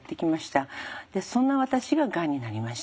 でそんな私ががんになりました。